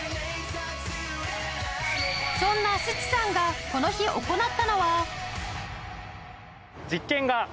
そんな須知さんがこの日行ったのは